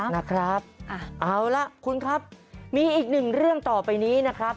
นะครับเอาล่ะคุณครับมีอีกหนึ่งเรื่องต่อไปนี้นะครับ